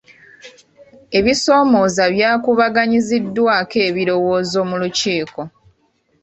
Ebisoomooza byakubaganyiziddwako ebirowoozo mu lukiiko.